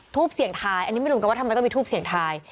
ทูปเสียงทายอันนี้ไม่รู้เหมือนกันว่าทำไมต้องมีทูปเสียงทาย